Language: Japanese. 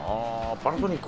パナソニック。